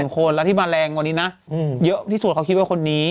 คนแล้วที่มาแรงกว่านี้นะเยอะที่สุดเขาคิดว่าคนนี้